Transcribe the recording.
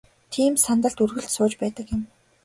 Тийм сандалд үргэлж сууж байдаг юм.